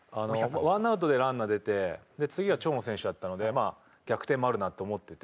１アウトでランナー出て次が長野選手だったので逆転もあるなと思ってて。